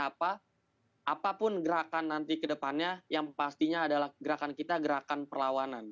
jadi apa apapun gerakan nanti ke depannya yang pastinya adalah gerakan kita gerakan perlawanan